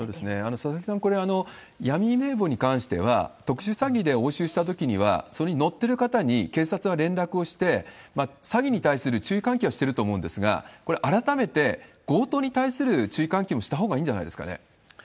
佐々木さん、これ、闇名簿に関しては、特殊詐欺で押収したときには、それに載ってる方に警察は連絡をして、詐欺に対する注意喚起はしてると思うんですが、これ、改めて、強盗に対する注意喚起もしたほうがいいんじゃないですかね？